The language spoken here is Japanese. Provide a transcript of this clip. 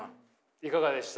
いかがでした？